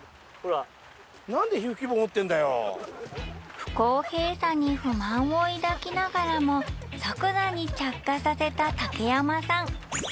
不公平さに不満を抱きながらも座に着火させた竹山さん。